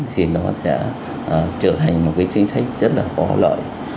thì nó sẽ trở thành một cái chính sách rất là có lợi